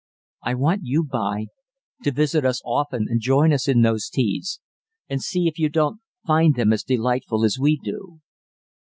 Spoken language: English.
I want you, b'y, to visit us often and join us in those teas, and see if you don't find them as delightful as we do."